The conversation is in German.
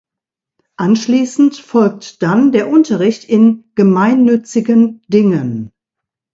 Anschließend folgt dann der Unterricht in "Gemeinnützigen Dingen".